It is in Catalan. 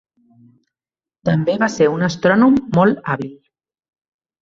També va ser un astrònom molt hàbil.